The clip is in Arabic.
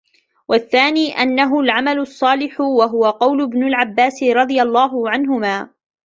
وَالثَّانِي أَنَّهُ الْعَمَلُ الصَّالِحُ وَهُوَ قَوْلُ ابْنِ عَبَّاسٍ رَضِيَ اللَّهُ عَنْهُمَا